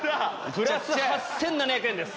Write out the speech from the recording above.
プラス８７００円です。